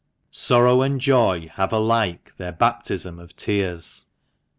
Sorrow and joy have alike their baptism of tears